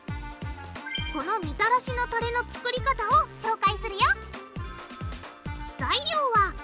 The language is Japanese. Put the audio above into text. このみたらしのたれの作り方を紹介するよ！